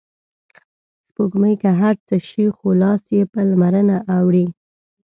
سپوږمۍ که هر څه شي خو لاس یې په لمرنه اوړي